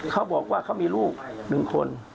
เขาบอกว่าเขามีลูก๑คน